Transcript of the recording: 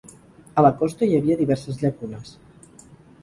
A la costa hi havia diverses llacunes.